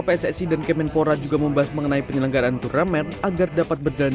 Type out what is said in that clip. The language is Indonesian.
pssi dan kemenpora juga membahas mengenai penyelenggaraan turnamen agar dapat berjalan